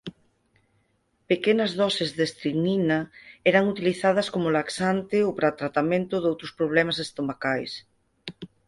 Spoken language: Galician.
Pequenas doses de estricnina eran utilizadas como laxante ou para tratamento doutros problemas estomacais.